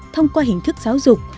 thông qua hình thức giáo dục